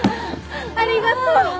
ありがとう！